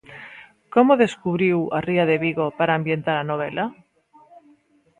Como descubriu a ría de Vigo para ambientar a novela?